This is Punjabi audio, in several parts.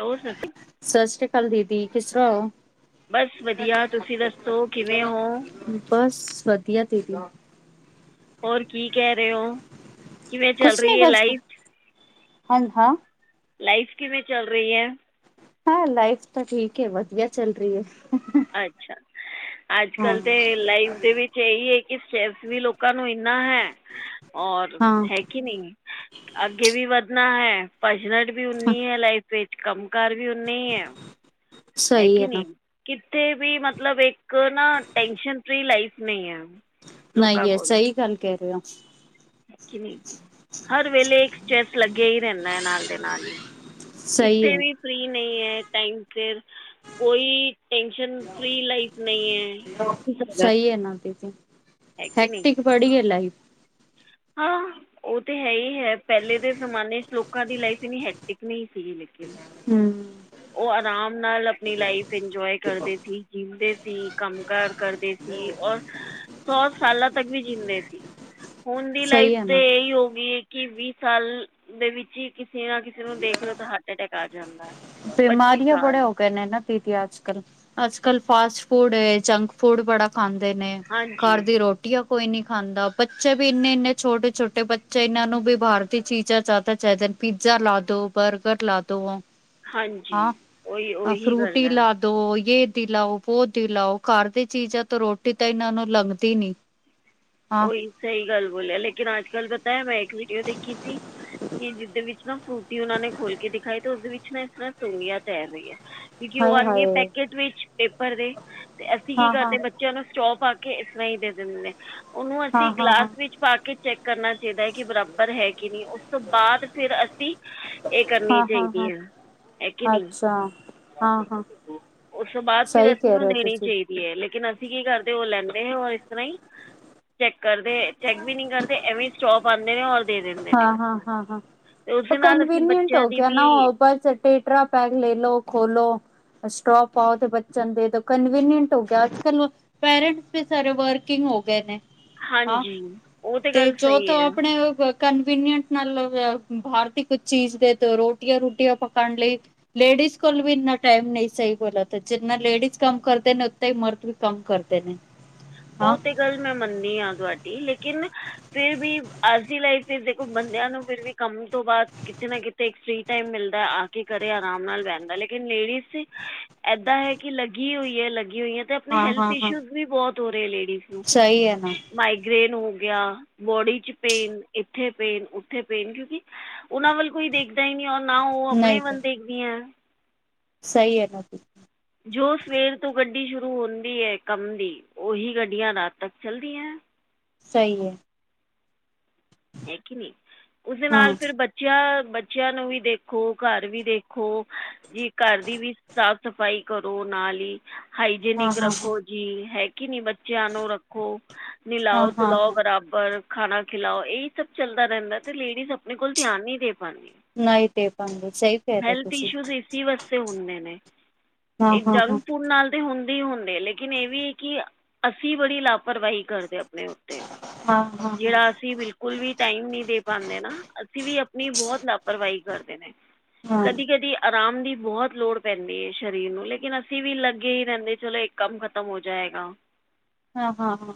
ਹੋਰ ਸਤਿ ਸਤਿ ਸ੍ਰੀ ਅਕਾਲ ਦੀਦੀ, ਕਿਸ ਤਰ੍ਹਾਂ ਹੋ? ਬਸ ਵਧੀਆ, ਤੁਸੀਂ ਦੱਸੋ ਕਿਵੇਂ ਹੋ? ਬਸ [unintelligible] ਹੋਰ ਕੀ ਕਹਿ ਰਹੇ ਹੋ? ਕਿਵੇਂ ਚੱਲ ਕੁਛ ਨੀ ਰਹੀ ਹੈ ਬਸ ਲਾਈਫ? ਹਾਂ ਹਾਂ ਲਾਈਫ, ਕਿਵੇਂ ਚੱਲ ਰਹੀ ਹੈ? ਹਾਂ, ਲਾਈਫ ਤਾਂ ਠੀਕ ਹੈ, ਵਧੀਆ ਚੱਲ ਰਹੀ ਹੈ। ਅੱਛਾ। ਅੱਜ ਹਾਂ ਕੱਲ ਤੇ ਲਾਈਫ ਦੇ ਵਿੱਚ, ਇਹੀ ਹੈ ਕਿ ਸਟਰੇਸ ਵੀ ਲੋਕਾਂ ਨੂੰ ਇੰਨਾ ਹੈ। ਔਰ ਹਾਂ ਹੈ ਕੀ ਨਹੀਂ, ਅੱਗੇ ਵੀ ਵੱਧਣਾ ਹੈ ਭੱਜ, ਨੱਠ ਵੀ ਹਾਂ ਉਨੀ ਹੈ, ਲਾਈਫ ਵਿੱਚ ਕੰਮ ਕਾਰ ਵੀ ਓਨਾ ਹੀ ਹੈ, ਹੈ ਸਹੀ ਕਿ ਨੀ? ਨਾ ਉਥੇ, ਵੀ ਮਤਲਬ ਇੱਕ ਨਾ ਟੈਸ਼ਨ ਫਰੀ ਲਾਈਫ ਨਹੀਂ ਹੈ। ਲੋਕਾਂ ਨਹੀਂ, ਕੋਲ ਸਹੀ ਗੱਲ ਕਹਿ ਰਹੇ ਹੋ। ਕਿ ਨਹੀਂ ਹਰ ਵੇਲੇ ਇੱਕ ਸਟਰੈਸ ਲੱਗਿਆ ਹੀ ਰਹਿੰਦਾ ਹੈ, ਨਾਲ ਦੇ ਨਾਲ ਹੀ। ਸਹੀ ਕਿਤੇ ਹੈ ਵੀ ਫ੍ਰੀ ਨਹੀਂ ਹੈ, ਟਾਈਮ ਫਿਰ ਕੋਈ ਟੈਂਨਸ਼ਨ ਫ੍ਰੀ ਲਾਈਫ ਨਹੀਂ ਹੈ। ਸਹੀ ਹੈ ਨਾ ਦੀਦੀ ਹੈ ਕਿ ਨਹੀਂ ਹੈਕਟਿਕ ਪੜੀ ਹੈ ਲਾਈਫ। ਹਾਂ। ਉਹ ਤੇ ਹੈ ਹੀ ਹੈ, ਪਹਿਲੇ ਦੇ ਜ਼ਮਾਨੇ ਚ ਲੋਕਾਂ ਦੀ ਲਾਈਫ ਇੰਨੀ ਹੈਕਟਿਕ ਨਹੀਂ ਸੀਗੀ ਲੇਕਿਨ ਹਮ। ਉਹ ਆਰਾਮ ਨਾਲ ਆਪਣੀ ਲਾਈਫ ਇੰਜੋਏ ਕਰਦੇ ਸੀ, ਜਿਉਂਦੇ ਸੀ ਕੰਮ- ਕਾਰ ਕਰਦੇ ਸੀ। ਔਰ ਸੌ ਸਾਲਾਂ, ਤੱਕ ਵੀ ਜਿੰਦੇ ਸੀ। ਹੁਣ ਦੀ ਲਾਈਫ ਸਹੀ ਹੈ ਤੇ ਨਾ ਇਹੀ ਹੋ ਗਈ ਕਿ ਵੀਹ ਸਾਲ ਦੇ, ਵਿੱਚ ਹੀ ਕਿਸੇ ਨਾ ਕਿਸੇ ਨੂੰ ਦੇਖ ਲਓ ਤਾਂ ਹਾਰਟ ਅਟੈਕ ਆ ਜਾਂਦਾ ਹੈ। ਬਿਮਾਰੀਆਂ ਬੜੇ ਸਾਲ ਹੋ ਗਏ ਨੇ ਨਾ ਦੀਦੀ, ਅੱਜ ਕਲ ਅੱਜ ਅੱਜ ਕੱਲ ਫਾਸਟ ਫੂਡ, ਜੰਕ ਫੂਡ, ਬੜਾ ਖਾਂਦੇ ਨੇ ਹਾਂਜੀ ਘਰ ਦੀ ਰੋਟੀ ਕੋਈ ਨੀ ਖਾਂਦਾ ਬੱਚੇ ਵੀ ਇੰਨੇ, ਇੰਨੇ ਛੋਟੇ ਛੋਟੇ ਬੱਚੇ ਇਹਨਾਂ ਨੂੰ ਵੀ ਬਾਹਰ ਦੀ ਚੀਜਾਂ ਜਿਆਦਾ ਚਾਹੀਦਾ। ਪੀਜ਼ਾ ਲਾ ਦੋ ਬਰਗਰ ਲਾ ਦੋ। ਹਾਂਜੀ ਹਾਂ ਗੱਲ ਫਰੂਟੀ ਹੈ ਲਾ ਦੋ ਯ ਦੀ ਲਓ, ਬੋ ਦੀਲਾਓ, ਘਰ ਦੀ ਚੀਜ਼ਾਂ ਤੋਂ ਰੋਟੀ ਤਾਂ ਇਹਨਾਂ ਨੂੰ ਲੰਘਦੀ ਨੀ। ਹਾਂ ਉਹੀ ਸਹੀ ਗੱਲ ਬੋਲਿਆ, ਲੇਕਿਨ ਅੱਜ ਕੱਲ ਪਤਾ ਆ ਮੈਂ ਇੱਕ ਵੀਡੀਓ ਦੇਖੀ ਸੀ ਕਿ ਜਿਹਦੇ ਵਿੱਚ ਫਰੂਟੀ, ਉਹਨਾ ਨੇ ਖੋਲ ਕੇ ਦਿਖਾਈ, ਤੇ ਉਸਦੇ ਵਿੱਚ ਨਾ ਇਸ ਤਰ੍ਹਾਂ ਸੂੰਢੀਆ ਤੈਰ ਰਹੀ ਹੈ। ਕਿਉਂਕਿ ਉਹ ਹਾਏ ਆਉਂਦੀ ਹੈ, ਹਾਏ ਪੈਕੇਟ ਵਿੱਚ ਪੇਪਰ ਦੇ ਤੇ, ਅਸੀਂ ਕੀ ਹਾਂ ਹਾਂ ਕਰਦੇ ਬੱਚਿਆਂ ਨੂੰ ਸਟਰਾਅ ਪਾ ਕੇ ਇਸ ਤਰ੍ਹਾਂ ਹੀ ਦੇ ਦਿੰਦੇ, ਉਹਨੂੰ ਹਾਂ ਅਸੀਂ ਹਾਂ ਹਾਂ ਗਲਾਸ ਵਿੱਚ ਪਾ ਕੇ ਚੈੱਕ ਕਰਨਾ ਚਾਹੀਦਾ ਹੈ ਕਿ ਬਰਾਬਰ ਹੈ। ਨਹੀਂ ਉਸ ਤੋਂ ਬਾਅਦ ਫਿਰ ਅਸੀਂ ਇਹ ਕਰਨੀ ਹਾਂ ਹਾਂ ਚਾਹੀਦੀ ਹਾਂ ਹੈ। ਹੈ ਕਿ ਨਹੀਂ ਅੱਛਾ। ਹਾਂ ਹਾਂ ਉਸ ਤੋਂ ਬਾਅਦ ਫਿਰ ਸਹੀ ਅਸੀਂ ਕਹਿ ਨੂੰ ਰਹੇ ਹੋ ਦੇਣੀ ਤੁਸੀਂ ਚਾਹੀਦੀ ਹੈ, ਲੇਕਿਨ ਅ ਅਸੀਂ ਕੀ ਕਰਦੇ ਉਹ ਲੈਂਦੇ ਹੋਰ ਇਸ ਤਰ੍ਹਾਂ ਹੀ। ਚੈੱਕ ਕਰਦੇ, ਚੈੱਕ ਵੀ ਨੀ ਕਰਦੇ, ਐਵੇਂ ਈ ਸਟਰਾਅ ਪਾਉਂਦੇ ਨੇ ਔਰ ਦੇ ਦਿੰਦੇ ਨੇ ਹਾਂ -ਹਾਂ, ਬੱਚਿਆਂ ਨੂੰ ਹਾਂ- ਹਾਂ। ਅਤੇ ਉਸਦੇ ਨਾਲ ਅਸੀਂ ਕਨਵੀਨੀਂਅਨਟ ਬੱਚਿਆਂ ਹੋ ਦੀ ਗਿਆ ਨਾ ਵੀ ਉਹ ਬਸ ਪੈਕਟ ਲੈ ਲੋ ਖੋਲੋ ਸਟਰਾਅ ਪਾਓ ਤੇ ਬੱਚਿਆਂ ਨੂੰ ਦੇ ਦਿਉ, ਕਨਵੀਨੀਂਅਨਟ ਹੋ ਗਿਆ, ਅੱਜ ਕੱਲ ਪੇਰੈਂਟਸ ਵੀ ਸਾਰੇ ਵਰਕਿੰਗ ਹੋ ਗਏ ਨੇ, ਹਾਂ ਹਾਂਜੀ ਉਹ ਤਾਂ ਤੇ ਗੱਲ ਜੋ ਤ ਸਹੀ ਹੈ ਆਪਣੇ ਕਨਵੀਨੀਅਂਟ ਨਾਲ ਬਾਹਰ ਦੀ ਕੁਝ ਚੀਜ਼ ਦੇ, ਰੋਟੀਆਂ ਰੂਟੀਆਂ ਪਕਾਉਣ ਲਈ ਲੇਡੀ ਲੇਡੀਜ਼ ਕੋਲ ਵੀ ਇੰਨਾ ਟਾਈਮ ਨਹੀਂ, ਸਹੀ ਬੋਲਾਂ ਤੇ ਜਿੰਨਾ ਲੇਡੀਜ਼ ਕੰਮ ਕਰਦੇ ਨੇ, ਉਤਨਾ ਹੀ ਮਰਦ ਵੀ ਕੰਮ ਕਰਦੇ ਨੇ। ਔ ਹਾਂ ਤੇ ਗੱਲ ਮੈਂ ਮੰਨਦੀ ਹਾਂ ਤੁਹਾਡੀ, ਲੇਕਿਨ ਫਿਰ ਵੀ ਅੱਜ ਦੀ ਲਾਈਫ ਵਿੱਚ ਦੇਖੋ ਬੰਦਿਆਂ ਨੂੰ ਫਿਰ ਵੀ ਕੰਮ ਤੋਂ ਬਾਅਦ ਕਿਤੇ ਨਾ ਕਿਤੇ ਇੱਕ ਫ੍ਰਰੀ ਟਾਈਮ ਮਿਲਦਾ ਆ ਕੇ। ਘਰੇ ਆਰਾਮ ਨਾਲ ਬਹਦਾ, ਲੇਕਿਨ ਲੇਡੀਜ਼ ਏਦਾਂ ਹੈ ਕਿ ਲੱਗੀ ਹੋਈ ਹੈ, ਲੱਗੀ ਹੋਈ ਤੇ ਆਪਣੇ ਹਾਂ ਹੈਲਥ ਹਾਂ ਹਾਂ ਇਸ਼ੂ ਵੀ ਬਹੁਤ ਹੋ ਰਹੇ ਲੇਡੀਜ਼ ਨੂੰ, ਸਹੀ ਹੈ ਨਾ ਮਾਈਗ੍ਰੇਨ ਹੋ ਯਾ, ਬੋਡੀ ਚ ਪੇਨ ਇੱਥੇ ਪੇਨ ਉੱਥੇ ਪੇਨ ਕਿਉਂਕਿ ਉਹਨਾ ਵੱਲ ਕੋਈ ਦੇਖਦਾ ਹੀ ਨਹੀਂ ਆ ਨਾ ਉਹ ਆਪਣੇ ਨਹੀਂ ਤਾਂ ਵਨ ਦੇਖ ਦੀਆਂ ਸਹੀ ਹੈ ਨਾ ਜੋ ਸਵੇਰ ਤੋਂ ਗੱਡੀ ਸ਼ੁਰੂ ਹੁੰਦੀ ਹੈ ਕੰਮ ਦੀ, ਔਹੀ ਗੱਡੀਆਂ ਰਾਤ ਤੱਕ ਚੱਲਦੀਆਂ। ਸਹੀ ਹੈ ਹੈ ਕਿ ਨਹੀਂ ਉਸਦੇ ਹਾਂ ਨਾਲ ਫਿਰ ਬੱਚਿਆਂ ਬੱਚਿਆਂ ਨੂੰ ਵੀ ਦੇਖੋ, ਘਰ ਵੀ ਦੇਖੋ ਜੀ, ਘਰ ਦੀ ਵੀ ਸਾਫ਼ ਸਫ਼ਾਈ ਕਰੋ। ਨਾਲ ਹੀ ਹਾਂ ਹਾਈਜੇਨਿਕ ਹਾਂ ਹਾਂ ਰੱਖੋ ਜੀ, ਹੈ ਕਿ ਨੀ ਬੇ ਬੱਚੇਆਂ ਨੂੰ ਰੱਖੋ, ਨਿਲਾਓ ਹਾਂ ਹਾਂ ਹਾਂ ਤੁਲਾਓ ਬਰਾਬਰ, ਖਾਣਾ ਖਿਲਾਓ ਇਹ ਸਭ ਚੱਲਦਾ ਰਹਿੰਦਾ ਤੇ ਲੇਡੀਜ਼ ਆਪਣੇ ਕੋਲ ਧਿਆਨ ਨਹੀਂ ਦੇ ਪਾਉਂਦੀ। ਨਾ ਹੀ ਦੇ ਪਾਂਦੇ ਹੈਲਥ ਇਸ਼ੂਜ਼ ਇਸ ਵਾਸਤੇ ਹੁੰਦੇ ਨੇ, ਹਾਂ ਇੱਕ ਹਾਂ ਹਾਂ ਜੰਕ ਫੂਡ ਨਾਲ ਤੇ ਹੁੰ ਕੇ ਹੁੰਦੇ, ਲੇਕਿਨ ਇਹ ਵੀ ਕਿ ਅਸੀਂ ਬੜੀ ਲਾਪ ਲਾਪਰਵਾਹੀ ਕਰਦੇ ਆਪਣੇ ਉੱਤੇ, ਹਾਂ ਹਾਂ ਹਾਂ ਜਿਹੜਾ ਅਸੀਂ ਬਿਲਕੁਲ ਵੀ ਟਾਈਮ ਨੀ ਦੇ ਪਾਉਂਦੇ ਨਾ, ਅਸੀਂ ਵੀ ਆਪਣੀ ਬਹੁਤ ਲਾਪਰਵਾਹੀ ਕਰਦੇ ਨੇ, ਹਾਂ ਕਦੀ ਕਦੀ ਆਰਾਮ ਦੀ ਬਹੁਤ ਲੋੜ ਪੈਂਦੀ ਹੈ ਸਰੀਰ ਨੂੰ, ਲੇਕਿਨ ਅਸੀਂ ਵੀ ਲੱਗੇ ਹੀ ਰਹਿੰਦੇ ਚਲੋ ਇੱਕ ਕੰਮ ਖ਼ਤਮ ਹੋ ਜਾਏ। ਆਹ ਹਾਂ ਹਾਂ ਹਾਂ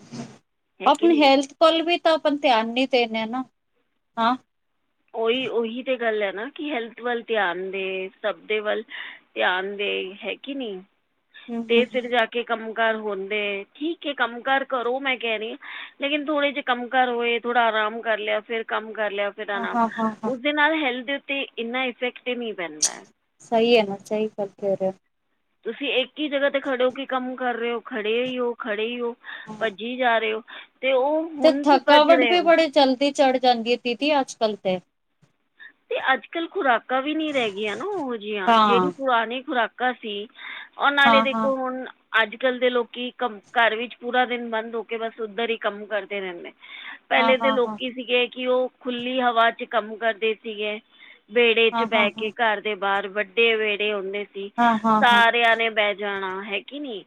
ਕਿ ਆਪਣੀ ਨਹੀਂ ਹੈਲਥ ਕੋਲ ਵੀ ਤਾਂ ਆਪ ਧਿਆਨ ਨੀ ਦੇਣੇ ਆ ਨਾ, ਹਾਂ ਔਹੀ ਔਹੀ ਤੇ ਗੱਲ ਹੈ ਨਾ, ਕਿ ਹੈਲਥ ਵੱਲ ਧਿਆਨ ਦੇ, ਸਭ ਦੇ ਵੱਲ ਧਿਆਨ ਦੇ ਹੈ ਕੀ ਨੀ ਹਮ ਹਮ ਤੇ ਹਮ, ਫਿਰ ਜਾ ਕੇ ਕੰਮ ਕਰ ਹੁੰਦੇ ਠੀਕ ਕੰਮ ਕਾਰ ਕਰੋ ਮੈਂ ਕਹਿ ਰਹੀ, ਲੇਕਿਨ ਥੋੜੇ ਜਿਹੇ ਕੰਮ ਕਾਰ ਹੋਏ ਥੋੜਾ ਆ ਆਰਾਮ ਕਰ ਲਿਆ ਫੇਰ ਕੰਮ ਕਰ ਲਿਆ ਫਿਰ ਹਾਂ ਆਰਾਮ, ਹਾਂ ਹਾਂ ਹਾਂ ਉਸਦੇ ਨਾਲ ਹੈਲਥ ਦੇ ਉਤੇ ਇਨਾ ਇਫਕਟ ਨੀ ਪੈਂਦਾ ਐ। ਸਹੀ ਆ ਨਾ ਸਈ ਕਰ ਕੇ ਹੋ ਰਿਹਾ ਹੈ। ਤੁਸੀਂ ਇੱਕ ਹੀ ਜਗ੍ਹਾ ਤੇ ਖੜੇ ਹੋ ਕੀ ਕੰਮ ਕਰ ਰਹੇ ਹੋ, ਖੜੇ ਹੀ ਹੋ, ਖੜੇ ਹੀ ਹੋ। ਭੱਜੀ ਜਾ ਰਹੇ ਹੋ ਅਤੇ ਉਹ ਤੇ ਹੁਣ ਤੋਂ ਭੱਜ ਥਕਾਵਟ ਰਹੇ ਵੀ ਹੋ ਬੜੀ ਜਲਦੀ ਚੜ੍ਹ ਜਾਂਦੀ ਹੈ ਦੀਦੀ ਅੱਜ ਕੱਲ੍ਹ ਤੇ। ਤੇ ਅੱਜ ਕੱਲ ਖੁਰਾਕਾਂ ਵੀ ਨੀ ਰਹਿ ਗਈਆਂ ਨਾ ਉਹੋ ਜਿਹੀਆਂ, ਜਿਹੜੀ ਹਾਂ ਪੁਰਾਣੀ ਖੁਰਾਕਾਂ ਕਾ ਸੀ, ਉਹ ਨਾਲੇ ਹਾਂ ਹਾਂ ਦੇਖੋ ਹੁਣ ਅੱਜ ਕੱਲ ਦੇ ਲੋਕੀ ਕੰਮ ਘਰ ਵਿੱਚ ਪੂਰਾ ਦਿਨ ਬੰਦ ਹੋ ਕੇ, ਬਸ ਉੱਧਰ ਹੀ ਕੰਮ ਕਰਦੇ ਰਹਿੰਦੇ। ਹਾਂ ਪਹਿਲੇ ਦੇ ਹਾਂ ਹਾਂ ਹਾਂ ਲੋਕੀ ਸੀਗੇ, ਕਿ ਉਹ ਖੁੱਲੀ ਹਵਾ ਚ ਕੰਮ ਕਰਦੇ ਸੀਗੇ। ਵਿਹੜੇ ਚ ਹਾਂ ਹਾਂ ਬਹਿ ਕੇ, ਘਰ ਦੇ ਬਾਹਰ ਵੱਡੇ ਵਿਹੜੇ ਹੁੰਦੇ ਸੀ, ਹਾਂ ਹਾਂ ਹਾਂ ਸਾਰਿਆਂ ਨੇ ਬਹਿ ਜਾਣਾ ਹੈ ਕੀ ਨੀ,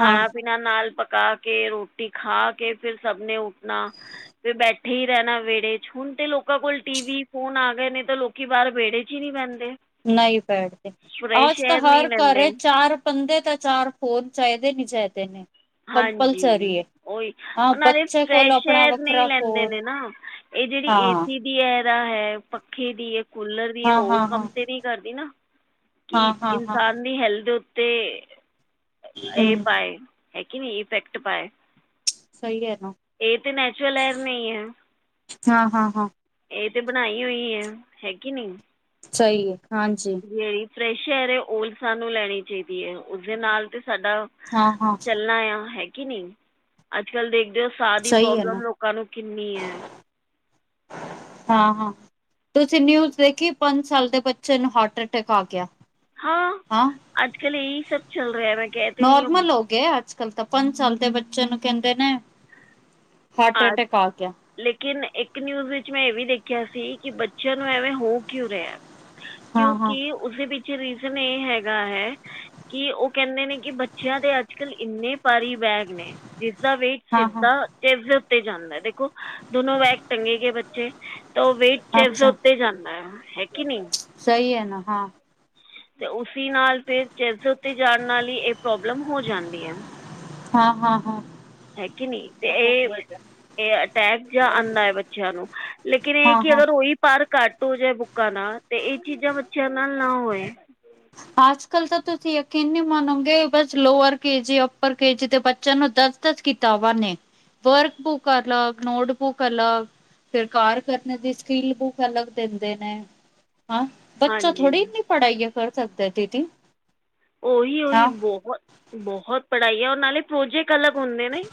ਹਾਂ ਪੀਣਾ ਨਾਲ ਪ ਪਕਾ ਕੇ, ਰੋਟੀ ਖਾ ਕੇ, ਫਿਰ ਸਭ ਨੇ ਉੱਠਣਾ, ਫਿਰ ਬੈਠੇ ਹੀ ਰਹਿਣਾ ਵਿਹੜੇ ਚ, ਹੁਣ ਤੇ ਲੋਕਾਂ ਕੋਲ, ਟੀ ਵੀ, ਫੋਨ ਆ ਗਏ ਨੇ, ਤਾਂ ਲੋਕੀ ਬਾਹਰ ਵਿਹੜੇ ਚ ਹੀ ਨਹੀਂ ਬਹਿੰਦੇ। ਨਹੀਂ ਬੈਠਦੇ, ਫਰੈਸ਼ ਅਜ ਤਾਂ ਏਅਰ ਨਹੀਂ ਹਰ ਲੈਂਦੇ ਘਰੇ ਚਾਰ ਬੰਦੇ ਤਾਂ ਚਾਰ ਫੋਨ ਚਾਹੀਦੇ। ਦਿਨ ਚਾਹੀਦੇ ਨੇ ਹਾਂਜੀ ਕੰਪਲਸਰੀ ਹੈ ਔਹੀ, ਹਾਂ ਉਹਨਾਂ ਦੇ ਬੱਚੇ ਕੋਲ ਫਰੈਸ਼ ਆਪਣਾ ਏਅਰ ਨਹੀਂ ਵੱਖਰਾ ਲੈਂਦੇ ਫੋਨ ਨੇ ਨਾ ਇਹ ਜਿਹੜੀ ਹਾਂ ਏ ਸੀ ਦੀ ਹੈਦਾ ਹੈ, ਪੱਖੇ ਦੀ ਕੂਲਰ ਵੀ ਹਾਂ ਔਹ ਹਾਂ ਹਾਂ ਕੰਮ ਤੇ ਨੀ ਕਰਦੀ ਨਾ, ਕਿ ਹਾਂ ਹਾਂ ਹਾਂ ਇਨਸਾਨ ਦੀ ਹੈਲਥ ਤੇ ਇਹ ਹਮ ਪਾਏ, ਹੈਗੀ ਨੀ ਇਫੈਕਟ ਪਾਏ ਸਹੀ ਹੈ ਨਾ ਏਹ ਤੇ ਨੈਚੁਰਲ [unintelligible] ਨਹੀਂ ਹੈ ਹਾਂ ਹਾਂ ਹਾਂ। ਏਹ ਤੇ ਬਣਾਈ ਹੋਈ ਹੈ ਹੈ ਕੇ ਨੀ। ਸਹੀ ਹੈ ਹਾਂਜੀ। ਫਰੈਸ਼ ਏਅਰ ਏ ਓਹ ਵੀ ਸਾਨੂੰ ਲੈਣੀ ਚਾਹੀਦੀ ਹੈ ਉਸਦੇ ਨਾਲ ਤੇ। ਸਾਡਾ ਹਾਂ ਹਾਂ ਚੱਲਣਾ ਆ ਹੈ ਕੇ ਨੀ ਅੱਜ ਕੱਲ ਦੇ ਏ ਸਾਰੀ ਸਹੀ ਹੈ ਨਾ ਪ੍ਰੋਬਲਮ ਲੋਕਾਂ ਨੂੰ ਕਿੰਨੀ ਏ। ਹਾਂ ਹਾਂ ਤੁਸੀਂ ਨਿਊਜ਼ ਦੇਖੀ ਪੰਜ ਸਾਲ ਦੇ ਬੱਚੇ ਨੂੰ ਹਾਰਟ ਅਟੈਕ ਆ ਗਿਆ। ਹਾਂ ਅੱਜ ਕੱਲ ਇਹੀ ਸਭ ਚੱਲ ਰਿਹਾ ਮੈਂ ਕਹਿ ਤੇ ਰਹੀ ਆਂ। ਨੋਰਮਲ ਹੋ ਗਏ ਅੱਜ ਕਾਲ ਤੇ ਪੰਜ ਸਾਲ ਦੇ ਬੱਚੇ ਨੂੰ ਕਹਿੰਦੇ ਨੇ ਹਾਰਟ ਅਟੈਕ ਆ ਗਿਆ। ਲੇਕਿਨ ਇੱਕ ਨਿਊਜ਼ ਵਿੱਚ ਮੈਂ ਇਹ ਵੀ ਦੇਖਿਆ ਸੀ ਕਿ ਬੱਚਿਆਂ ਨੂੰ ਐਵੇਂ ਹੋ ਕਿਉ ਰਿਹਾ? ਹਾਂ ਹਾਂ ਕਿਉਂਕਿ ਉਸਦੇ ਪਿੱਛੇ ਰੀਜ਼ਨ ਇਹ ਹੈਗਾ ਹੈ, ਕਿ ਉਹ ਕਹਿੰਦੇ ਨੇ ਕਿ ਬੱਚਿਆਂ ਦੇ ਅੱਜ ਕੱਲ੍ਹ ਇੰਨੇ ਪਾਰੀ ਬੈਗ ਨੇ, ਜਿਸਦਾ ਵੇਟ ਹਾਂ ਹਾਂ ਸਿੱਧਾ [unintelligible] ਦੇ ਉੱਤੇ ਜਾਂਦਾ ਦੇਖੋ ਦੋਨੋ ਵੈਕ ਟੰਗੇ ਗਏ ਬੱਚੇ। ਤਾਂ ਉਹ ਵੇਟ ਚੇਸਟ ਦੇ ਅੱਛਾ ਉੱਤੇ ਜਾਂਦਾ ਹੈ ਕੇ ਨਹੀਂ। ਸਹੀ ਹੈ ਨਾ ਹਾਂ। ਤੇ ਉਸੀ ਨਾਲ ਫੇਰ ਚੇਸਟ ਦੇ ਉਤੇ ਜਾਣ ਨਾਲ ਹੀ ਏਹ ਪ੍ਰੋਬਲਮ ਹੋ ਜਾਂਦੀ ਆ। ਹਾਂ ਹਾਂ ਹਾਂ। ਨੀ ਤੇ ਇਹ ਇਹ ਅਟੈਕ ਜਾਂ ਆਂਦਾ ਹੈ ਬੱਚਿਆਂ ਨੂੰ। ਲੇਕਿਨ ਇਹ ਹਾਂ ਕਿ ਹਾਂ ਅਗਰ ਉਹੀ ਪਾਰਕ ਘੱਟ ਹੋ ਜਾਏ ਬੁੱਕਾਂ ਨਾਲ ਤੇ ਏਹ ਚੀਜ਼ਾਂ ਬੱਚਿਆਂ ਨਾਲ ਨਾ ਹੋਏ। ਅੱਜ-ਕੱਲ੍ਹ ਤਾਂ ਤੁਸੀਂ ਯਕੀਨ ਨੀ ਮੰਨੋਗੇ ਬਸ ਲੋਅਰ ਕੇਜੀ ਅੱਪਰ ਕੇਜੀ ਦੇ ਬੱਚਿਆਂ ਨੂੰ ਦਸ ਦਸ ਕੀਤਾਬਾ ਨੇ। ਵਰਕ ਬੁੱਕ ਅਲਗ ਨੋਟ ਬੁੱਕ ਅਲਗ। ਫੇਰ ਘਾਰ ਕਰਨ ਦੀ ਸਕਿਲ ਬੁੱਕ ਅਲੱਗ ਦਿੰਦੇ ਨੇ। ਹਾਂ ਬੱਚਾ ਥੋੜ੍ਹੀ ਹਾਂਜੀ ਇੰਨੀ ਪੜ੍ਹਾਈਆਂ ਕਰ ਸਕਦਾ ਦੀਦੀ। ਓਹੀ ਉਹੀ ਹਾਂ ਬਹੁਤ ਬਹੁਤ ਪੜ੍ਹਾਈ ਆ ਉਹ ਨਾਲੇ ਪ੍ਰੋਜੈਕਟ ਅਲੱਗ ਹੁੰਦੇ ਨੇ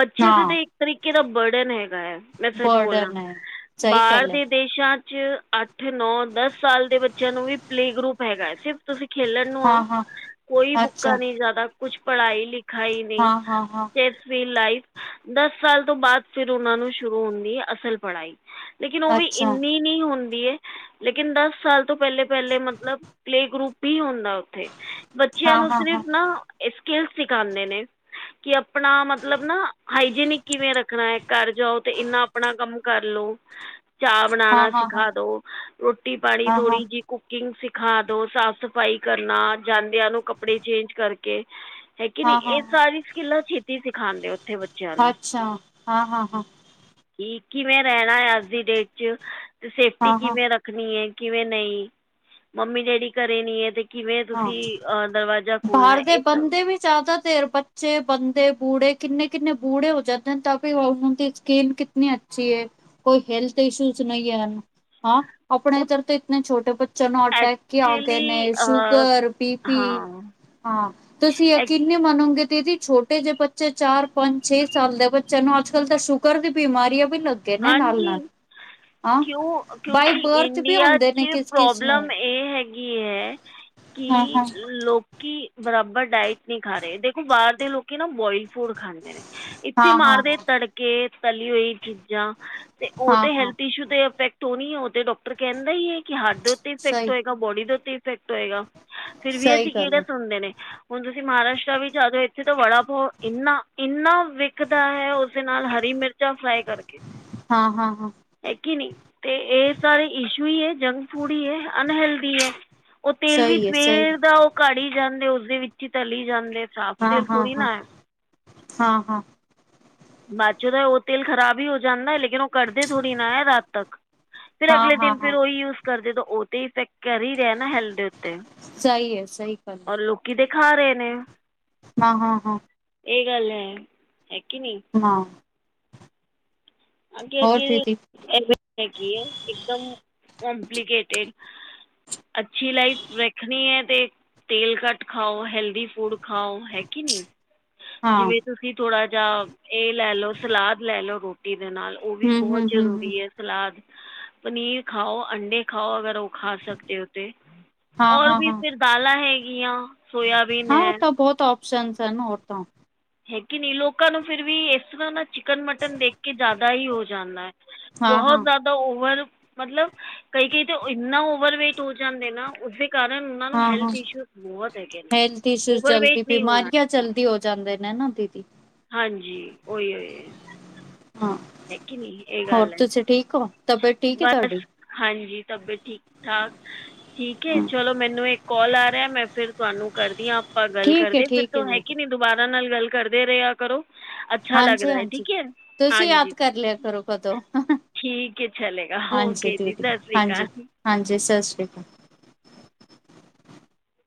ਬੱਚਿਆਂ ਦੇ ਹਾਂ ਤਾਂ ਇੱਕ ਤਰੀਕੇ ਦਾ ਬਰਡਨ ਹੈਗਾ। ਮੈਂ ਸੱਚ ਬੋਲਾਂ ਬਰਡਨ ਹੈ ਸਹੀ ਬਾਹਰ ਗੱਲ ਹੈ ਦੇ ਦੇਸ਼ਾਂ ਜੇ ਅੱਠ ਨੌ ਦਸ ਸਾਲ ਦੇ ਬੱਚਿਆਂ ਨੂੰ ਵੀ ਪਲੇ ਗਰੁੱਪ ਹੈਗਾ ਹੈ ਸਿਰਫ ਤੁਸੀਂ ਖੇਲਣ ਨੂੰ ਆਓ। ਹਾਂ-ਹਾਂ ਕੋਈ ਬੁੱਕਾਂ ਅੱਛਾ ਨਹੀਂ ਜਿਆਦਾ ਕੁਛ ਪੜ੍ਹਾਈ ਲਿਖਾਈ ਨਹੀਂ ਹਾਂ-ਹਾਂ-ਹਾਂ ਸਟ੍ਰੈਸ ਫ੍ਰੀ ਲਾਈਫ। ਦਸ ਸਾਲ ਤੋਂ ਬਾਦ ਫਿਰ ਉਹਨਾਂ ਨੂੰ ਸ਼ੁਰੂ ਹੁੰਦੀ ਹੈ ਅਸਲ ਪੜ੍ਹਾਈ। ਲੇਕਿਨ ਉਹ ਵੀ ਅੱਛਾ ਇੰਨੀ ਨਹੀਂ [unintelligible] ਲੇਕਿਨ ਦਸ ਸਾਲ ਤੋਂ ਪਹਿਲੇ ਪਹਿਲੇ ਮਤਲਬ ਪਲੇ ਗਰੁੱਪ ਹੀ ਹੁੰਦਾ। ਉੱਥੇ ਬੱਚਿਆਂ ਨੂੰ ਹਾਂ-ਹਾਂ-ਹਾਂ ਸਿਰਫ਼ ਨਾ ਐ ਸਕਿਲ ਸਿੱਖਾਂਦੇ ਨੇ। ਕਿ ਆਪਣਾ ਮਤਲਬ ਨਾ ਹਾਈਜੀਨਿਕ ਕਿਵੇਂ ਰੱਖਣਾ ਹੈ ਘਰ ਜਾਓ ਤੇ ਇੰਨਾ ਆਪਣਾ ਕੰਮ ਕਰ ਲੋ। ਚਾਹ ਬਣਾਣਾ ਹਾਂ-ਹਾਂ-ਹਾਂ ਹਾਂ-ਹਾਂ ਸਿਖਾ ਦੋ ਰੋਟੀ ਪਾਣੀ ਥੋੜੀ ਜਿ ਕੁਕਿੰਗ ਸਿਖ, ਸਿਖਾ ਦੋ ਸਾਫ਼ ਸਫ਼ਾਈ ਕਰਨਾ ਜਾਂਦਿਆਂ ਨੂੰ ਕੱਪੜੇ ਚੇਂਜ ਕਰਕੇ, ਹੈ ਕਿ ਨਹੀਂ ਇਹ ਹਾਂ-ਹਾਂ-ਹਾਂ ਸਾਰੀ ਸਕਿਲਾਂ ਸ਼ੇਤੀ ਸਿੱਖ। ਖਾਂਦੇ ਉੱਥੇ ਬੱਚਿਆਂ ਨੂੰ। ਅੱਛਾ ਹਾਂ-ਹਾਂ-ਹਾਂ ਕਿ ਕਿਵੇਂ ਰਹਿਣਾ ਹੈ ਅੱਜ ਦੀ ਡੇਟ 'ਚ ਅਤੇ ਸੇਫਟੀ ਕਿਵੇਂ ਹਾਂ-ਹਾਂ-ਹਾਂ ਰੱਖਣੀ ਏ, ਕਿਵੇਂ ਨਹੀਂ ਮੰਮੀ ਡੈਡੀ ਘਰੇ ਨੀ ਹੈ ਤੇ ਕਿਵੇਂ ਹਾਂ ਤੁਸੀਂ ਅ, ਦਰਵਾਜ਼ਾ ਖੋਲ੍ਹਣਾ ਬਾਹਰ ਦੇ ਇਹ ਸਭ ਬੰਦੇ ਵੀ ਜਿਆਦਾ ਦੇਰ ਬੱਚੇ ਬੰਦੇ, ਬੂੜੇ ਕਿੰਨੇ ਕਿੰਨੇ ਬੂੜੇ ਹੋ ਜਾਂਦੇ ਤਾਂ ਵੀ ਉਹਨਾਂ ਦੀ ਸਕਿਨ ਕਿਤਨੀ ਅੱਛੀ ਏ [unintelligible] [unintelligible] ਆਪਣੇ ਉਹ ਇਧਰ ਤਾਂ ਇਤਣੇ ਛੋਟੇ ਬੱਚਿਆਂ ਨੂੰ ਅਟੈਕ ਈ ਆ ਗਏ ਨੇ। ਐਕਚੁਲੀ [unintelligible] ਸ਼ੁਗਰ ਬੀ ਪੀ ਹਾਂ ਹਾਂ ਤੁਸੀਂ ਐਕ ਯਕੀਨ ਨੀ ਮੰਨੋਗੇ, ਦੀਦੀ ਛੋਟੇ ਜਿਹੇ ਬੱਚੇ ਚਾਰ ਪੰਜ ਛੇ ਸਾਲ ਦੇ ਬੱਚਿਆਂ ਨੂੰ ਅੱਜ ਕੱਲ੍ਹ ਤਾਂ ਸ਼ੂਗਰ ਦੀ ਬਿਮਾਰੀ ਆ। [unintelligible] ਲੱਗੇ ਨੇ ਨਾਲ ਹਾਂਜੀ ਨਾਲ। ਕਿਉਂ ਕਿਉਂਕਿ ਵੀ ਇੰਡੀਆ ਹੁੰਦੇ ਨੇ ਚ ਕਿਸ-ਕਿਸ ਨੂੰ ਪ੍ਰੋਬਲਮ ਏਹ ਹੈਗੀ ਹੈ, ਕਿ ਹਾਂ-ਹਾਂ, ਲੋਕੀ ਬਰਾਬਰ ਡਾਇਟ ਨਹੀਂ ਖਾ ਰਹੇ ਦੇਖੋ ਬਾਹਰ ਦੇ ਲੋਕੀ ਨਾ ਬੋਇਲ, ਫੂਡ ਖਾਂਦੇ ਨੇ ਇੱਥੇ ਹਾਂ-ਹਾਂ, ਮਾਰਦੇ ਤੜਕੇ ਤਲੀ ਹੋਈ ਚੀਜ਼ਾਂ ਤੇ ਉਹ ਤੇ ਹਾਂ-ਹਾਂ ਹੈਲਥ ਇਸ਼ੂ ਤੇ ਇਫੈਕਟ ਹੋਣੀ ਉਹ ਤੇ ਡਾਕਟਰ ਕਹਿੰਦਾ ਈ ਏ ਕਿ ਹਾਰਟ ਦੇ ਉੱਤੇ ਇਫੈਕਟ ਸਹੀ, ਹੋਏਗਾ ਬੋਡੀ ਦੇ ਉੱਤੇ ਇਫੈਕਟ ਹੋਏਗਾ ਫਿਰ ਵੀ ਸਹੀ ਅਸੀਂ ਗੱਲ ਕਿਹੜਾ ਹੈ। ਸੁਣਦੇ ਨੇ ਹੁਣ ਤੁਸੀਂ ਮਹਾਰਾਸ਼ਟਰ ਵੀ ਆ ਜਾਓ ਇੱਥੇ ਤਾਂ ਵੜਾ ਪੋਓ ਇੰਨਾ ਇੰਨਾ ਵਿਕਦਾ ਹੈ ਉਸਦੇ ਨਾਲ ਹਰੀ ਮਿਰਚਾਂ ਫਰਾਈ ਕਰ ਹਾਂ ਹਾਂ ਹਾਂ ਤੇ ਇਹ ਸਾਰੇ ਇਸ਼ੂ ਈ ਏ ਜੰਕ ਫੂਡ ਹੀ ਹੈ ਅਨਹੈਲਦੀ ਐ। ਉਹ ਤੇਲ ਵੀ ਸਵੇਰ ਦਾ ਉਹ ਘੜ ਹੀ ਜਾਂਦੇ ਉ ਦੇ ਵਿੱਚ ਹੀ ਤਲੀ ਜਾਂਦੇ ਸਾਫ ਤੇਲ ਥੋੜ੍ਹੀ ਨਾ ਏ ਹਾਂ ਹਾਂ ਬਾਅਦ ਚੋਂ ਦਾ ਉਹ ਤੇਲ ਖ਼ਰਾਬ ਹੀ ਹੋ ਜਾਂਦਾ ਲੇਕਿਨ ਉਹ ਕੱਢਦੇ ਥੋੜ੍ਹੀ ਨਾ ਰਾਤ ਤਕ ਫੇਰ ਅਗਲੇ ਦਿਨ ਫਿਰ ਉਹੀ ਯੂਜ ਕਰਦੇ ਤਾਂ ਉਹ ਤੇ ਇਫੈਕਟ ਕਰ ਹੀ ਰਿਹਾ ਨਾ ਹੈਲਥ ਤੇ ਸਹੀ ਹੈ ਸਹੀ ਗੱਲ ਏ ਲੋਕੀ ਤੇ ਖਾ ਰਹੇ ਨੇ ਹਾਂ ਹਾਂ ਹਾਂ ਇਹ ਗੱਲ ਐ ਹੈ ਕੇ ਨਹੀਂ ਹਾਂ ਆ ਅ ਕੀ ਹੈ ਇੱਕਦਮ ਖੁੱਲ ਗਈ ਸੀ। ਕੰਪਲੀਕੇਟਡ ਅਛੀ ਲਾਈਫ ਵੇਖਣੀ ਏ ਤੇ ਤੇਲ ਘਟ ਖਾਓ ਹੈਲਦੀ ਫੂਡ ਖਾਓ ਹੈ ਕਿ ਨਹੀਂ ਜਿਵੇਂ ਤੁਸੀਂ ਥੋੜਾ ਜਿਆ ਇਹ ਲੈ ਲੋ ਸਲਾਦ ਲੈ ਲੋ ਨਾਲ ਉਹ ਵੀ ਬਹੁਤ ਜਰੂਰੀ ਹੈ ਸਲਾਦ ਪਨੀਰ ਖਾਓ ਅੰਡੇ ਖਾਓ ਅਗਰ ਕਿਸੇ ਹਨ। ਖਾ ਸਕਦੇ ਉੱੇ ਰ ਵੀ ਫਿਰ ਦਾਲਾਂ ਹੈਗੀਆਂ ਹਾਂਜੀ। ਸੋਇਆਬੀਨ ਹੈ ਸ਼ਨ ਸਨ ਔਰਤਾਂ ਹੈਗੀ ਨਹੀ ਲੋਕਾਂ ਨੂੰ ਫਿਰ ਵੀ ਇਸ ਤਰ੍ਹਾਂ ਨਾ ਚਿਕਨ ਮਟਨ ਦੇਖ ਕੇ ਜ਼ਿਆਦਾ ਹੀ ਹੋ ਜਾਂਦਾ ਹੈ। ਬਹੁਤ ਜ਼ਿਆਦਾ ਓਵਰ ਮਤਲਬ ਕਈ ਕਈ ਤਾਂ ਇੰਨਾ ਓਵਰਵੇਟ ਹੋ ਜਾਂਦੇ ਨਾ ਉਸਦੇ ਕਾਰਨ ਉਹਨਾਂ ਨੂੰ ਹਾਂ ਹਾਂ ਹੈਲਥ ਇਸ਼ੂ ਬਹੁਤ ਹੈਗੇ ਨੇ ਹੈਲਥ ਇਸ਼ੂਜ਼ ਓਵਰਵੇਟ ਜਲਦੀ ਨਹੀਂ ਹੋਣਾ ਬਿਮਾਰੀਆਂ ਜਲਦੀ ਹੋ ਜਾਂਦੇ ਨੇ ਨਾ ਦੀਦੀ ਹਾਂਜੀਓਹੀ ਓਹੀ ਹਾਂ ਹੈਗੀ ਨੀ ਇਹ ਹੋਰ ਗੱਲ ਐ ਤੁਸੀਂ ਠੀਕ ਹੋ ਤਬੀਅਤ ਠੀਕ ਹੈ ਬਸ ਤੁਹਾਡੀ ਹਾਂਜੀ ਤਬੀਅਤ ਠੀਕ ਠਾਕ ਠੀਕ ਹੈ ਚਲੋ ਮੈਨੂੰ ਇੱਕ ਕਾਲ ਆ ਰਿਹਾ ਮੈਂ ਫੇਿਰ ਤੁਹਾਨੂੰ ਕਰਦੀ ਹਾਂ ਆਪਾਂ ਗੱਲ ਠੀਕ ਹੈ ਕਰਦੇ ਫਿਰ ਤ ਠੀਕ ਹੈ ਦੀਦੀ ਹੈਗੀ ਨੀ ਦੁਬਾਰਾ ਨਾਲ ਗੱਲ ਕਰਦੇ ਰਹੇ ਆ ਕਰੋ ਅੱਛਾ ਹਾਂਜੀ ਲੱਗਦਾ ਹੈ ਹਾਂਜੀ ਠੀਕ ਹੈ ਤੁਸੀਂ ਹਾਂਜੀ ਯਾਦ ਕਰ ਲਿਆ [unintelligible] ਕਰੋ ਕਦੋਂ ਠੀਕ ਹੈ ਚਲੇਗਾ ਹਾਂਜੀ ਓਕੇ ਜੀ ਦੀਦੀ ਸਤਿ ਸ਼੍ਰੀ ਹਾਂਜੀ ਅਕਾਲ। ਹਾਂਜੀ ਸਤਿ ਸ਼੍ਰੀ ਅਕਾਲ